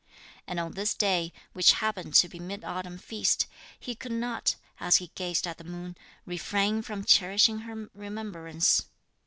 And on this day, which happened to be the mid autumn feast, he could not, as he gazed at the moon, refrain from cherishing her remembrance.